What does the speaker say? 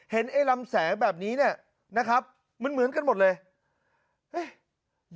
เห็นไอ้ลำแสงแบบนี้นะครับมันเหมือนกันหมดเลย